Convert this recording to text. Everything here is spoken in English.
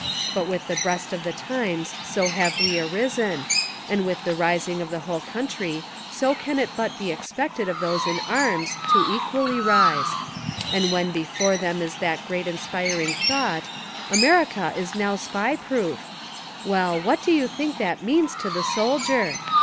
But with the breast of tlhe times so have we arisen, and with the rising of the whole country so can it but be expected of those in arms to equally rise; and when before them is that great inspiring thought, "America is now Spy proof" — well, what do you think that means to the soldier?